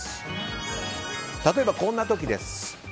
例えば、こんな時です。